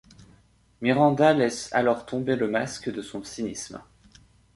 Miranda laisse alors tomber le masque de son cynisme.